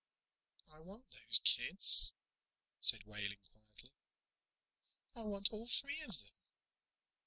"I want those kids," said Wehling quietly. "I want all three of them."